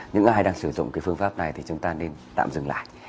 những ai đang sử dụng cái phương pháp này thì chúng ta nên tạm dừng lại